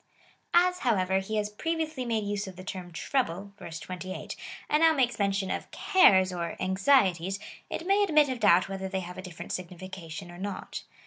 As, however, he has previously made use of the term trouble, (verse 28,) and now makes mention of cares or anxieties, it may admit of doubt whether they have a different signification, or not.